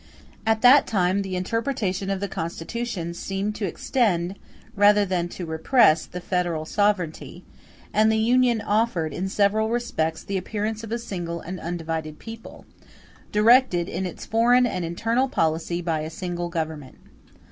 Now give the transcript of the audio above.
At that time the interpretation of the Constitution seemed to extend, rather than to repress, the federal sovereignty; and the Union offered, in several respects, the appearance of a single and undivided people, directed in its foreign and internal policy by a single Government.